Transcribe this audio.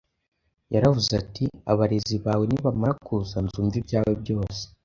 yaravuze ati: “Abarezi bawe nibamara kuza, nzumva ibyawe byose